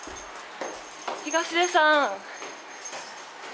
東出さん。